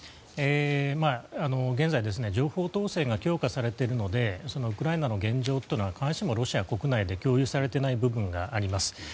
現在情報統制が強化されているのでウクライナの現状というのは必ずしもロシア国内で共有されていない部分があります。